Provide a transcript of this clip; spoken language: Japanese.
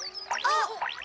あっ！